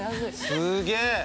すげえ！